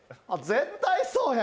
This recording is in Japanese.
絶対そうや。